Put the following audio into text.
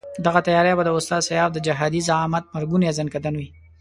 دغه تیاري به د استاد سیاف د جهادي زعامت مرګوني ځنکندن وي.